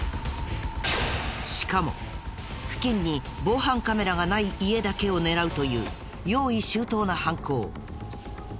しかも付近に防犯カメラがない家だけを狙うという用意周到な犯行。